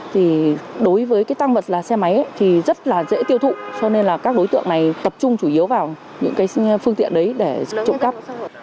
thì đối với cái tăng vật là xe máy thì rất là dễ tiêu thụ cho nên là các đối tượng này tập trung chủ yếu vào những cái phương tiện đấy để trộm cắp